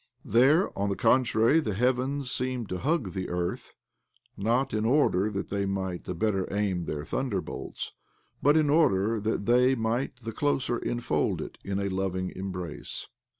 There, on the contrary, the heavens seemed to hug the earth— not in order that they might the better aim their thunderbolts, but in order that they might the closer enfold it in a loving embrace.